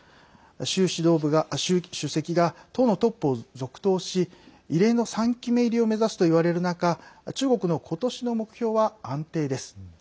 習主席が、党のトップを続投し異例の３期目入りを目指すといわれる中中国のことしの目標は安定です。